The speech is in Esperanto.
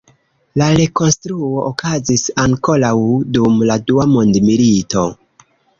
La rekonstruo okazis ankoraŭ dum la Dua Mondmilito.